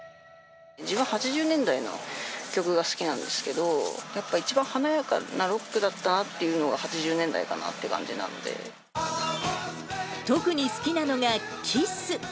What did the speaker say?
８０年代の曲が好きなんですけど、やっぱ一番華やかなロックだったなっていうのが８０年代かなって特に好きなのが、ＫＩＳＳ。